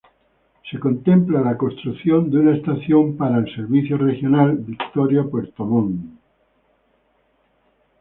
Se contempla la construcción de una estación para el Servicio Regional Victoria-Puerto Montt.